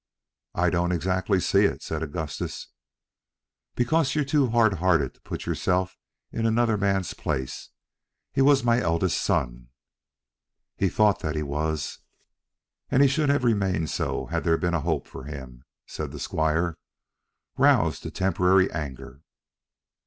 "I don't exactly see it," said Augustus. "Because you're too hard hearted to put yourself in another man's place. He was my eldest son." "He thought that he was." "And should have remained so had there been a hope for him," said the squire, roused to temporary anger.